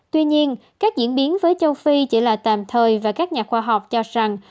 tuy nhiên các diễn biến với châu phi chỉ là tạm thời và các nhà khoa học cho rằng